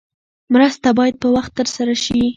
مرسته باید په وخت ترسره شي.